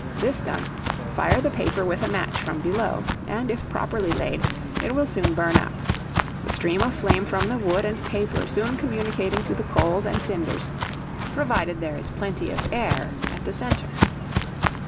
This done, fire the paper with a match from below, and, if properly laid, it will soon burn up; the stream of flame from the wood and paper soon communicating to the coals and cinders, provided there is plenty of air at the centre.